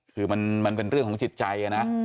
คือมันเป็นเรื่องของจิตใจนะ